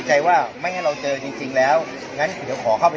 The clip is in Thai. สวัสดีครับพี่เบนสวัสดีครับ